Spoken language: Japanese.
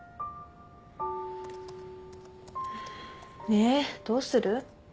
ねどうする？